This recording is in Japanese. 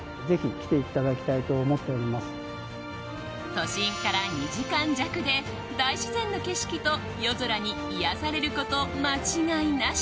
都心から２時間弱で大自然の景色と夜空に癒やされること間違いなし。